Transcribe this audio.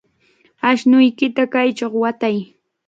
Ashnuykita kaychaw watay.